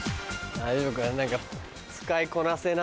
大丈夫かな。